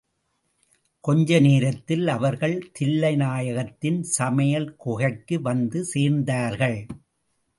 கொஞ்சநேரத்தில் அவர்கள் தில்லைநாயகத்தின் சமையல் குகைக்கு வந்து சேர்ந்தார்கள்.